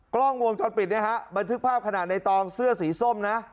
กล้องวงจรปิดบันทึกภาพขนาดนายตองเสื้อสีส้มนะ